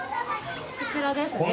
こちらですね。